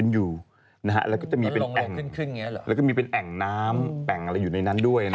แล้วก็จะมีเป็นแอ่งแล้วก็มีเป็นแอ่งน้ำแอ่งอะไรอยู่ในนั้นด้วย